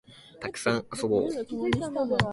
たくさん遊ぼう